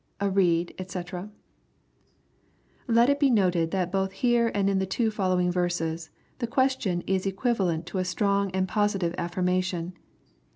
a reed, dbc] Let it be noted that both here and in the two following verses the question is equiva lent to a strong and positive affirmation.